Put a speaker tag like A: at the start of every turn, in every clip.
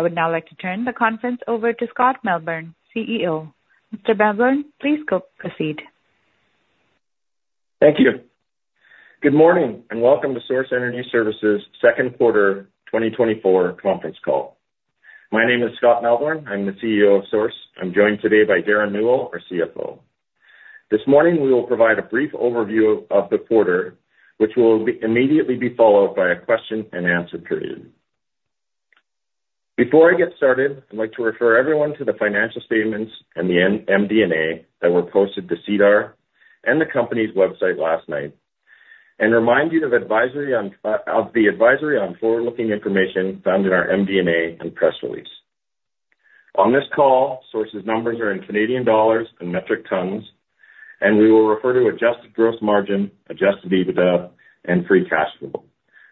A: I would now like to turn the conference over to Scott Melbourn, CEO. Mr. Melbourn, please go, proceed.
B: Thank you. Good morning, and welcome to Source Energy Services Second Quarter 2024 conference call. My name is Scott Melbourn. I'm the CEO of Source. I'm joined today by Derren Newell, our CFO. This morning, we will provide a brief overview of the quarter, which will be immediately followed by a question and answer period. Before I get started, I'd like to refer everyone to the financial statements and the MD&A that were posted to SEDAR and the company's website last night, and remind you of advisory on of the advisory on forward-looking information found in our MD&A and press release. On this call, Source's numbers are in Canadian dollars and metric tons, and we will refer to adjusted gross margin, adjusted EBITDA, and free cash flow,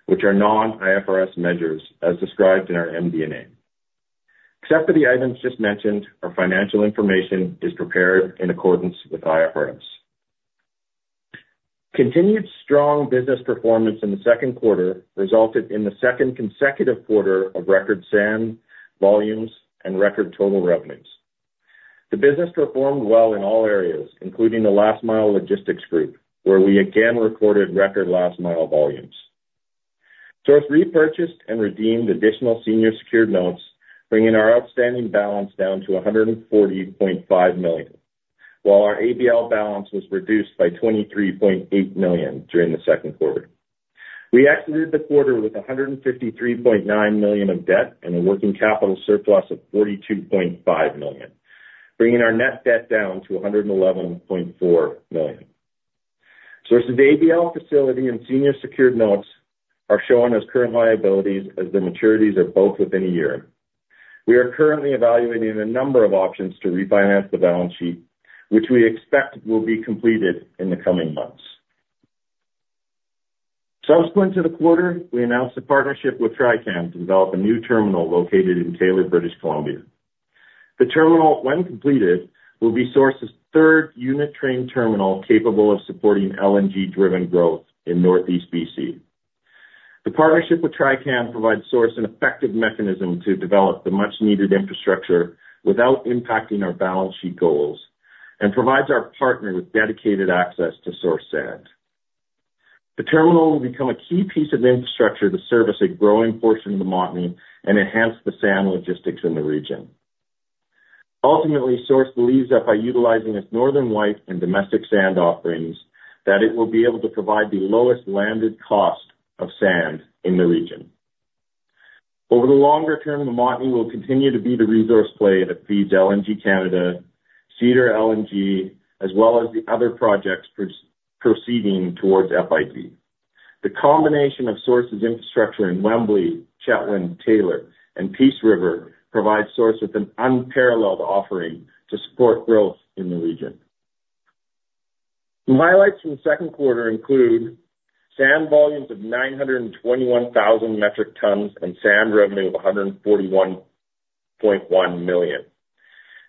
B: which are non-IFRS measures, as described in our MD&A. Except for the items just mentioned, our financial information is prepared in accordance with IFRS. Continued strong business performance in the second quarter resulted in the second consecutive quarter of record sand volumes and record total revenues. The business performed well in all areas, including the Last Mile Logistics Group, where we again recorded record last mile volumes. Source repurchased and redeemed additional senior secured notes, bringing our outstanding balance down to 140.5 million, while our ABL balance was reduced by 23.8 million during the second quarter. We exited the quarter with 153.9 million of debt and a working capital surplus of 42.5 million, bringing our net debt down to 111.4 million. Source's ABL facility and senior secured notes are shown as current liabilities, as the maturities are both within a year. We are currently evaluating a number of options to refinance the balance sheet, which we expect will be completed in the coming months. Subsequent to the quarter, we announced a partnership with Trican to develop a new terminal located in Taylor, British Columbia. The terminal, when completed, will be Source's third unit train terminal capable of supporting LNG-driven growth in Northeast BC. The partnership with Trican provides Source an effective mechanism to develop the much-needed infrastructure without impacting our balance sheet goals and provides our partner with dedicated access to Source sand. The terminal will become a key piece of infrastructure to service a growing portion of the Montney and enhance the sand logistics in the region. Ultimately, Source believes that by utilizing its Northern White and domestic sand offerings, that it will be able to provide the lowest landed cost of sand in the region. Over the longer term, the Montney will continue to be the resource play that feeds LNG Canada, Cedar LNG, as well as the other projects proceeding towards FID. The combination of Source's infrastructure in Wembley, Chetwynd, Taylor and Peace River provides Source with an unparalleled offering to support growth in the region. The highlights in the second quarter include sand volumes of 921,000 metric tons and sand revenue of 141.1 million.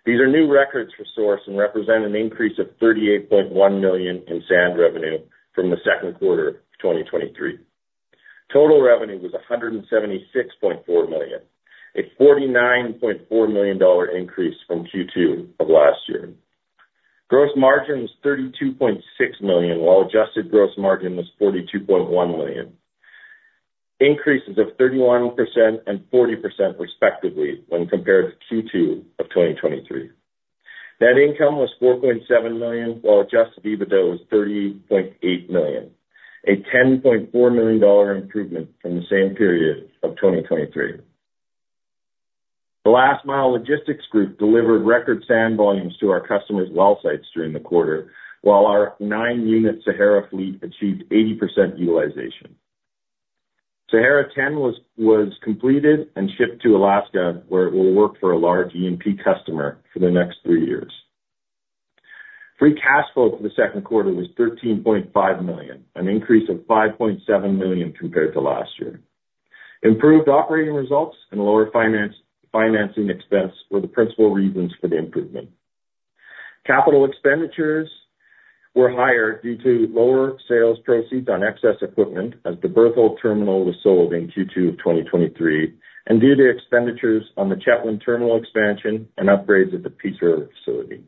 B: These are new records for Source and represent an increase of 38.1 million in sand revenue from the second quarter of 2023. Total revenue was 176.4 million, a 49.4 million dollar increase from Q2 of last year. Gross margin was 32.6 million, while adjusted gross margin was 42.1 million, increases of 31% and 40% respectively when compared to Q2 of 2023. Net income was 4.7 million, while adjusted EBITDA was 30.8 million, a 10.4 million dollar improvement from the same period of 2023. The Last Mile Logistics group delivered record sand volumes to our customers' well sites during the quarter, while our nine-unit Sahara fleet achieved 80% utilization. Sahara Ten was completed and shipped to Alaska, where it will work for a large E&P customer for the next three years. Free cash flow for the second quarter was 13.5 million, an increase of 5.7 million compared to last year. Improved operating results and lower financing expense were the principal reasons for the improvement. Capital expenditures were higher due to lower sales proceeds on excess equipment as the Berthold terminal was sold in Q2 of 2023 and due to expenditures on the Chetwynd terminal expansion and upgrades at the Peace River facility.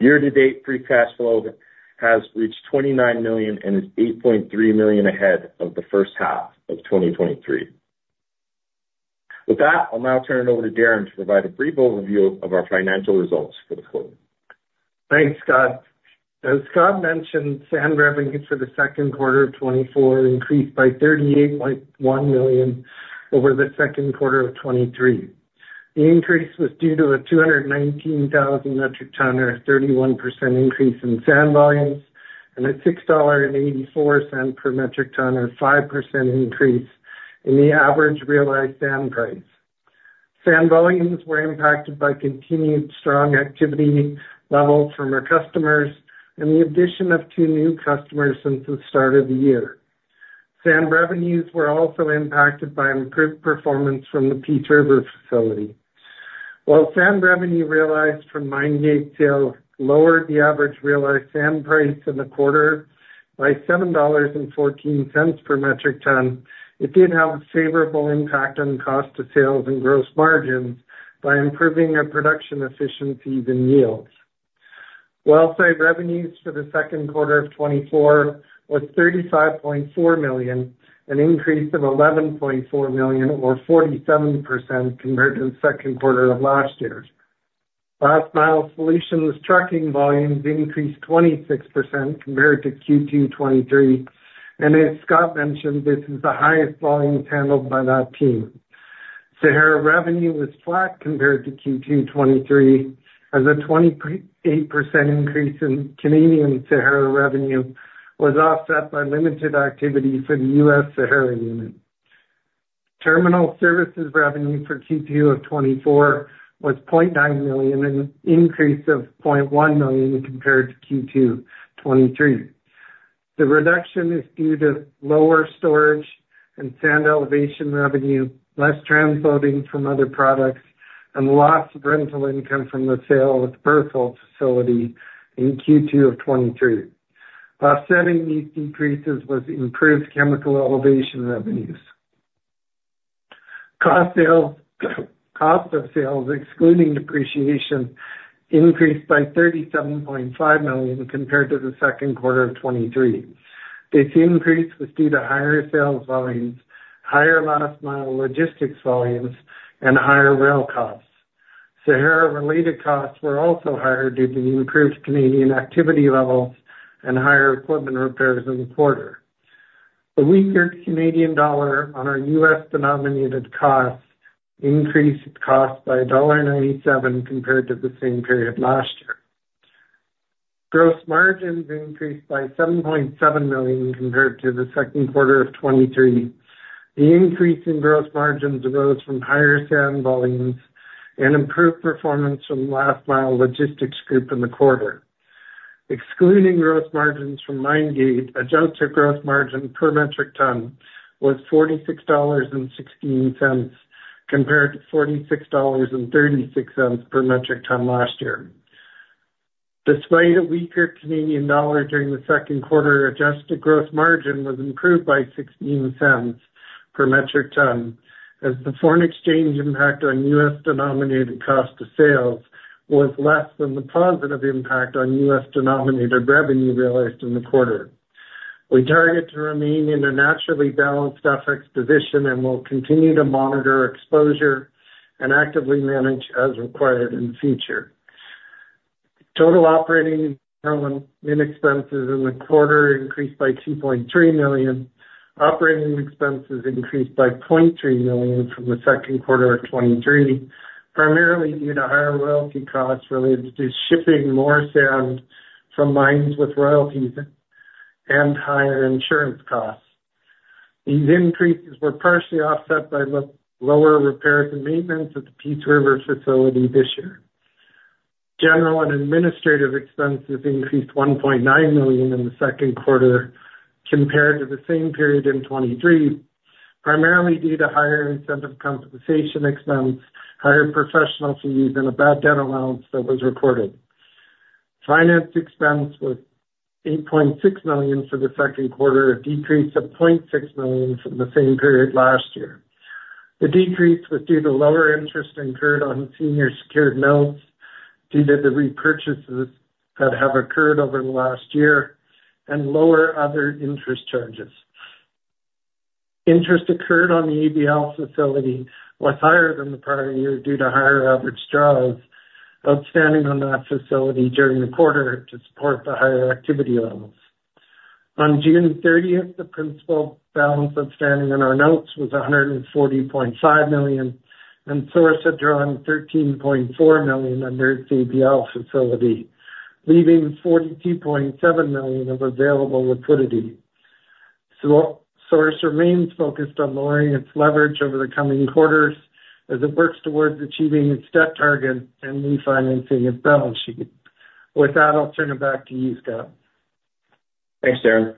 B: Year-to-date, free cash flow has reached 29 million and is 8.3 million ahead of the first half of 2023. With that, I'll now turn it over to Derren to provide a brief overview of our financial results for the quarter.
C: Thanks, Scott. As Scott mentioned, sand revenue for the second quarter of 2024 increased by 38.1 million over the second quarter of 2023. The increase was due to a 219,000 metric ton, or 31% increase in sand volumes, and at 6.84 dollar per metric ton, or 5% increase in the average realized sand price. Sand volumes were impacted by continued strong activity levels from our customers and the addition of two new customers since the start of the year. Sand revenues were also impacted by improved performance from the Peace River facility.... While sand revenue realized from mine gate sales lowered the average realized sand price in the quarter by 7.14 dollars per metric ton, it did have a favorable impact on cost of sales and gross margins by improving our production efficiencies and yields. Wellsite revenues for the second quarter of 2024 was 35.4 million, an increase of 11.4 million, or 47%, compared to the second quarter of last year. Last mile solutions trucking volumes increased 26% compared to Q2 2023, and as Scott mentioned, this is the highest volumes handled by that team. Sahara revenue was flat compared to Q2 2023, as a 28% increase in Canadian Sahara revenue was offset by limited activity for the U.S. Sahara unit. Terminal services revenue for Q2 2024 was 0.9 million, an increase of 0.1 million compared to Q2 2023. The reduction is due to lower storage and sand elevation revenue, less transloading from other products, and loss of rental income from the sale of the Berthold facility in Q2 2023. Offsetting these decreases was improved chemical elevation revenues. Cost of sales, excluding depreciation, increased by 37.5 million compared to the second quarter of 2023. This increase was due to higher sales volumes, higher last mile logistics volumes, and higher rail costs. Sahara-related costs were also higher due to improved Canadian activity levels and higher equipment repairs in the quarter. The weaker Canadian dollar on our US-denominated costs increased costs by 1.97 compared to the same period last year. Gross margins increased by 7.7 million compared to the second quarter of 2023. The increase in gross margins arose from higher sand volumes and improved performance from last mile logistics group in the quarter. Excluding gross margins from mine gate, adjusted gross margin per metric ton was 46.16 dollars, compared to 46.36 dollars per metric ton last year. Despite a weaker Canadian dollar during the second quarter, adjusted gross margin was improved by 0.16 per metric ton, as the foreign exchange impact on US-denominated cost of sales was less than the positive impact on US-denominated revenue realized in the quarter. We target to remain in a naturally balanced FX position, and we'll continue to monitor exposure and actively manage as required in the future. Total operating income and expenses in the quarter increased by 2.3 million. Operating expenses increased by 0.3 million from the second quarter of 2023, primarily due to higher royalty costs related to shipping more sand from mines with royalties and higher insurance costs. These increases were partially offset by lower repairs and maintenance at the Peace River facility this year. General and administrative expenses increased 1.9 million in the second quarter compared to the same period in 2023, primarily due to higher incentive compensation expense, higher professional fees, and a bad debt allowance that was recorded. Finance expense was 8.6 million for the second quarter, a decrease of 0.6 million from the same period last year. The decrease was due to lower interest incurred on senior secured notes due to the repurchases that have occurred over the last year and lower other interest charges. Interest occurred on the ABL facility was higher than the prior year due to higher average draws outstanding on that facility during the quarter to support the higher activity levels. On June 30, the principal balance outstanding on our notes was 140.5 million, and Source had drawn 13.4 million under its ABL facility, leaving 42.7 million of available liquidity. Source remains focused on lowering its leverage over the coming quarters as it works towards achieving its debt target and refinancing its balance sheet. With that, I'll turn it back to you, Scott.
B: Thanks, Derren.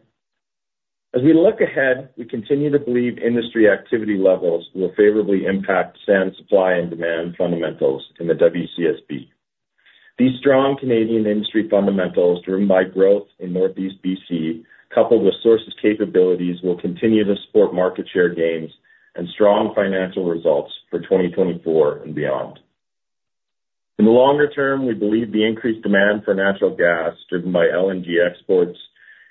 B: As we look ahead, we continue to believe industry activity levels will favorably impact sand supply and demand fundamentals in the WCSB. These strong Canadian industry fundamentals, driven by growth in Northeast BC, coupled with Source's capabilities, will continue to support market share gains and strong financial results for 2024 and beyond. In the longer term, we believe the increased demand for natural gas, driven by LNG exports,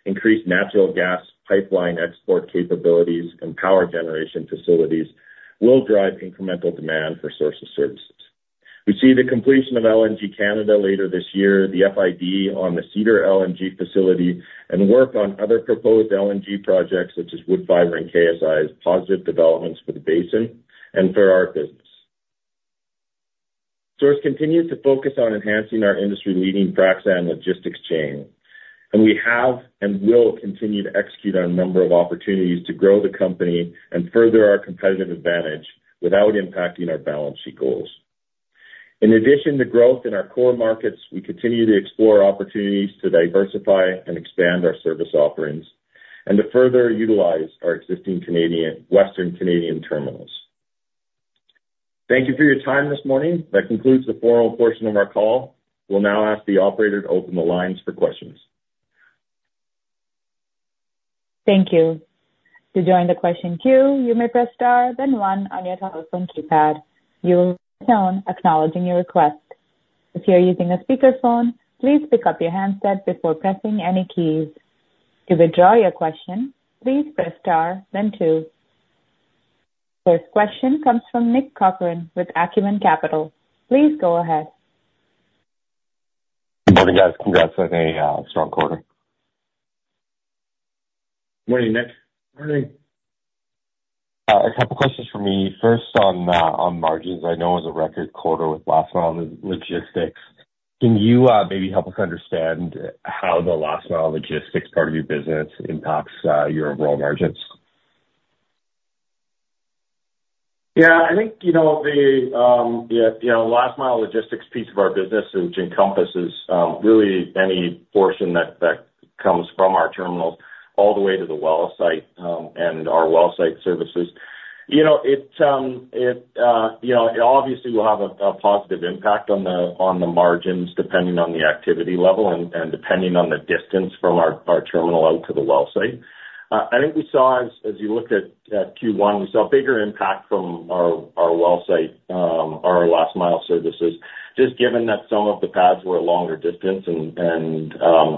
B: increased natural gas pipeline export capabilities and power generation facilities, will drive incremental demand for Source Energy Services. We see the completion of LNG Canada later this year, the FID on the Cedar LNG facility, and work on other proposed LNG projects such as Woodfibre and Ksi Lisims, as positive developments for the basin and for our business. Source continues to focus on enhancing our industry-leading Frac sand logistics chain, and we have and will continue to execute on a number of opportunities to grow the company and further our competitive advantage without impacting our balance sheet goals. In addition to growth in our core markets, we continue to explore opportunities to diversify and expand our service offerings... and to further utilize our existing Canadian, Western Canadian terminals. Thank you for your time this morning. That concludes the formal portion of our call. We'll now ask the operator to open the lines for questions.
A: Thank you. To join the question queue, you may press Star, then one on your telephone keypad. You'll be acknowledged your request. If you're using a speakerphone, please pick up your handset before pressing any keys. To withdraw your question, please press Star, then two. First question comes from Nick Cochrane with Acumen Capital. Please go ahead.
D: Good morning, guys. Congrats on a strong quarter.
B: Morning, Nick.
C: Morning.
D: A couple questions for me. First, on margins. I know it was a record quarter with last mile logistics. Can you maybe help us understand how the last mile logistics part of your business impacts your overall margins?
B: Yeah, I think, you know, the, yeah, you know, last mile logistics piece of our business, which encompasses, really any portion that, that comes from our terminals all the way to the well site, and our well site services. You know, it, it, you know, obviously will have a, a positive impact on the, on the margins, depending on the activity level and, and depending on the distance from our, our terminal out to the well site. I think we saw as, as you looked at, at Q1, we saw a bigger impact from our, our well site, our last mile services, just given that some of the pads were a longer distance and, and,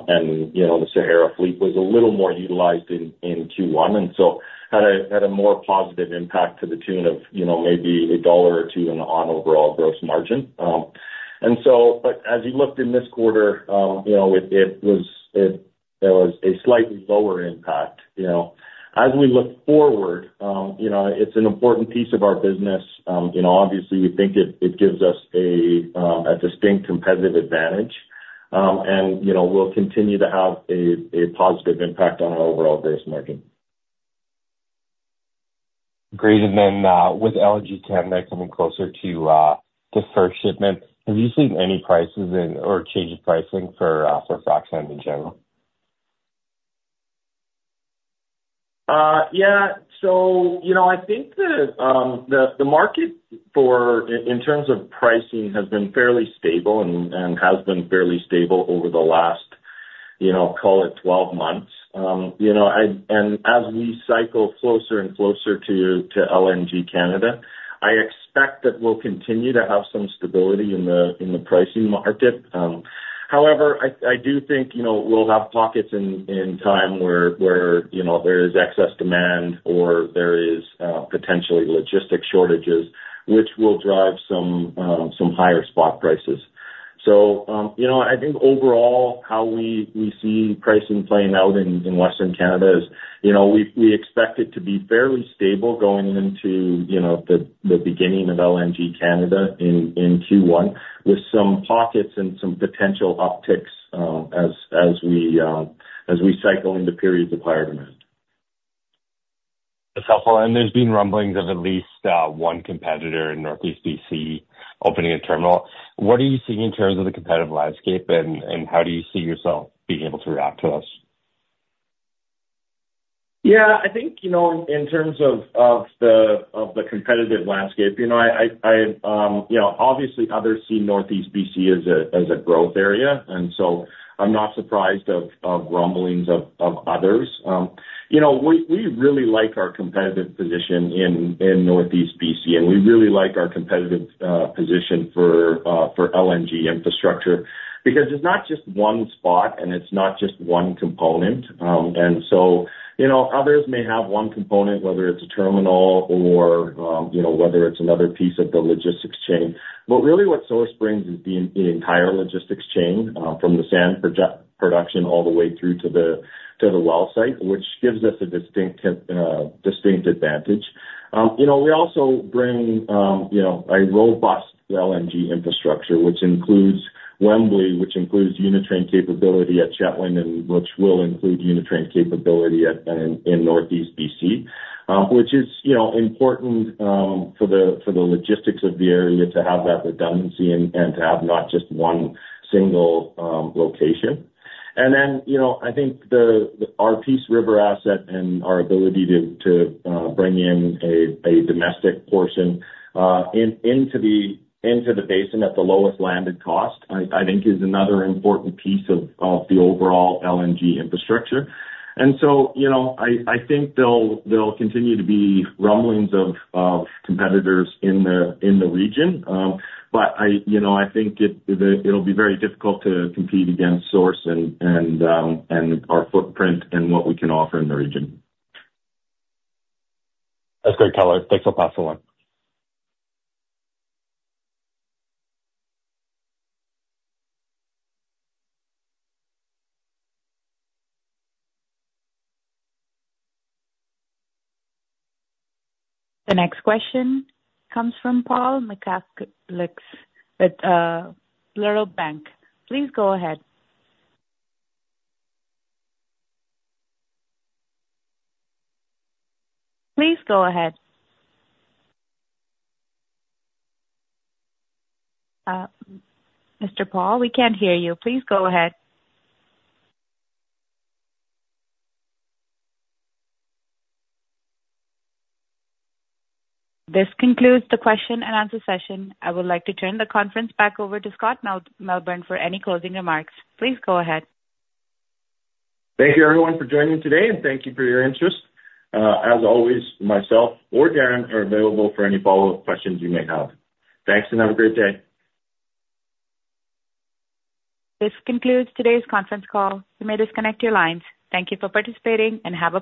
B: and, you know, the Sahara fleet was a little more utilized in, in Q1. And so had a more positive impact to the tune of, you know, maybe CAD 1 or 2 dollar on overall gross margin. But as you looked in this quarter, you know, there was a slightly lower impact, you know. As we look forward, you know, it's an important piece of our business. You know, obviously, we think it gives us a distinct competitive advantage. And, you know, we'll continue to have a positive impact on our overall gross margin.
D: Great. And then, with LNG Canada coming closer to the first shipment, have you seen any prices in or change in pricing for for frac sand in general?
B: So, you know, I think the market, in terms of pricing, has been fairly stable and has been fairly stable over the last, you know, call it 12 months. You know, as we cycle closer and closer to LNG Canada, I expect that we'll continue to have some stability in the pricing market. However, I do think, you know, we'll have pockets in time where there is excess demand or there is potentially logistics shortages, which will drive some higher spot prices. You know, I think overall, how we see pricing playing out in Western Canada is, you know, we expect it to be fairly stable going into, you know, the beginning of LNG Canada in Q1, with some pockets and some potential upticks, as we cycle into periods of higher demand.
D: That's helpful. And there's been rumblings of at least one competitor in Northeast BC opening a terminal. What are you seeing in terms of the competitive landscape, and how do you see yourself being able to react to this?
B: Yeah, I think, you know, in terms of the competitive landscape, you know, obviously others see Northeast BC as a growth area, and so I'm not surprised of rumblings of others. You know, we really like our competitive position in Northeast BC, and we really like our competitive position for LNG infrastructure. Because it's not just one spot, and it's not just one component. And so, you know, others may have one component, whether it's a terminal or you know, whether it's another piece of the logistics chain. But really what Source brings is the entire logistics chain from the sand production all the way through to the well site, which gives us a distinct advantage. You know, we also bring, you know, a robust LNG infrastructure, which includes Wembley, which includes unit train capability at Chetwynd, and which will include unit train capability in Northeast BC. Which is, you know, important, for the logistics of the area to have that redundancy and to have not just one single location. And then, you know, I think the our Peace River asset and our ability to bring in a domestic portion into the basin at the lowest landed cost, I think is another important piece of the overall LNG infrastructure. And so, you know, I think there'll continue to be rumblings of competitors in the region. But you know, I think it'll be very difficult to compete against Source and our footprint and what we can offer in the region.
D: That's great color. Thanks for passing on.
A: The next question comes from Paul Mackaklic, with Pluto Bank. Please go ahead. Please, go ahead. Mr. Paul, we can't hear you. Please go ahead. This concludes the question and answer session. I would like to turn the conference back over to Scott Melbourn for any closing remarks. Please go ahead.
B: Thank you, everyone, for joining today, and thank you for your interest. As always, myself or Derren are available for any follow-up questions you may have. Thanks, and have a great day.
A: This concludes today's conference call. You may disconnect your lines. Thank you for participating, and have a great day.